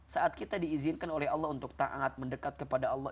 saat kita diizinkan oleh allah untuk taat mendekat kepada allah